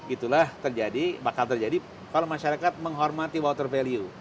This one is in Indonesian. itulah terjadi bakal terjadi kalau masyarakat menghormati water value